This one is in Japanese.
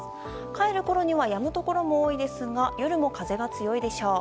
帰るころにはやむところも多いですが夜も風が強いでしょう。